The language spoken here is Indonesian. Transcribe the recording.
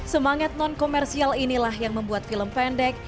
semangat non komersial inilah yang membuat film pendek